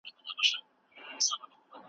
جهاني لمبې بلیږي د بابا پر میراثونو